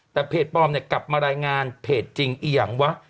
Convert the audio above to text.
แต่เพจปลอมกลับมารายงานเพจจริงอย่างวะ